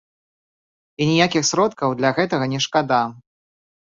І ніякіх сродкаў для гэтага не шкада.